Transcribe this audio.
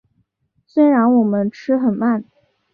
虽然我们吃很慢